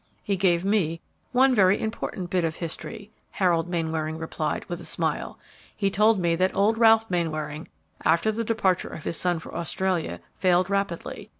"He gave me one very important bit of history," Harold Mainwaring replied, with a smile. "He told me that old Ralph Mainwaring, after the departure of his son for Australia, failed rapidly.